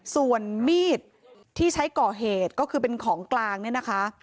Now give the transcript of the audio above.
ส่วนมีดที่ใช้ก่อเหตุก็คือเป็นของกลางเนี่ยนะคะ